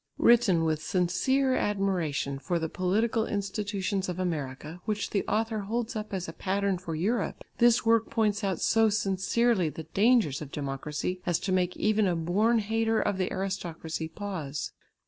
Written with sincere admiration for the political institutions of America, which the author holds up as a pattern for Europe, this work points out so sincerely the dangers of democracy, as to make even a born hater of the aristocracy pause.